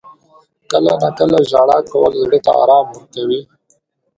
• کله ناکله ژړا کول زړه ته آرام ورکوي.